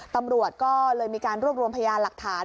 ตำรวจก็เลยมีการรวบรวมพยานหลักฐาน